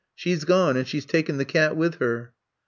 She 's gone, and she 's taken the cat with her.